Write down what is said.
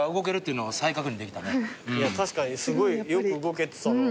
確かにすごいよく動けてたな。